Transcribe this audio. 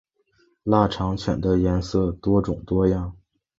腊肠犬的颜色多种多样。